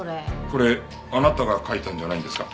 これあなたが書いたんじゃないんですか？